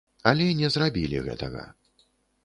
Але не зрабілі гэтага.